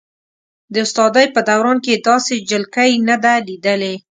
د استادۍ په دوران کې یې داسې جلکۍ نه ده لیدلې.